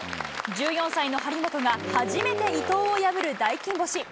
１４歳の張本が初めて伊藤を破る大金星。